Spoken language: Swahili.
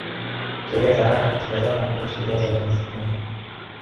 sheria za Allah katika zama ambazo sheria za Mwenyezi Mungu